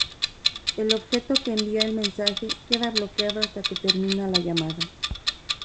El objeto que envía el mensaje queda bloqueado hasta que termina la llamada.